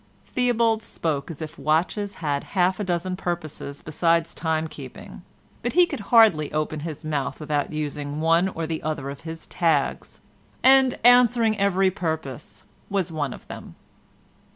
Theobald spoke as if watches had half a dozen purposes besides time keeping, but he could hardly open his mouth without using one or other of his tags, and "answering every purpose" was one of them.